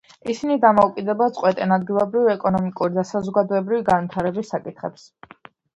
ისინი დამოუკიდებლად წყვეტენ ადგილობრივი ეკონომიკური და საზოგადოებრივი განვითარების საკითხებს.